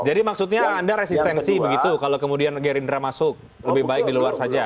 jadi maksudnya anda resistensi begitu kalau kemudian gerindra masuk lebih baik di luar saja